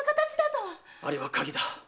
あれが鍵だ。